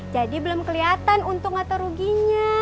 jadi belum kelihatan untung atau ruginya